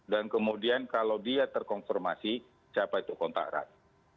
dan kemudian kalau dia terkonfirmasi siapa itu kontak erat